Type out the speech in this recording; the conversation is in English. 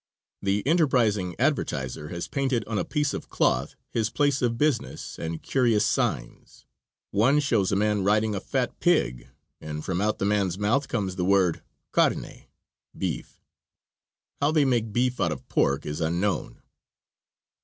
The enterprising advertiser has painted on a piece of cloth his place of business and curious signs. One shows a man riding a fat pig, and from out the man's mouth comes the word "Carne" (beef). How they make beef out of pork is unknown.